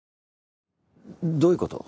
どういうこと？